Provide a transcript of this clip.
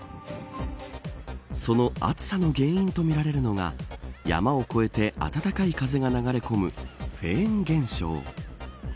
その暑さの原因とみられるのが山を越えて暖かい風が流れ込むフェーン現象。